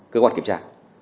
cơ quan kiểm tra